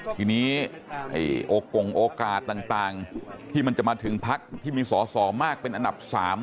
ทีนี้โอกงโอกาสต่างที่มันจะมาถึงพักที่มีสอสอมากเป็นอันดับ๓